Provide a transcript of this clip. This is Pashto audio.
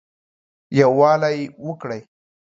يووالى وکړٸ